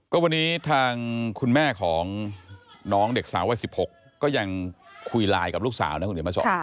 ก็วันนี้ทางคุณแม่ของน้องเด็กสาววัย๑๖ก็ยังคุยไลน์กับลูกสาวนะคุณเดี๋ยวมาสอน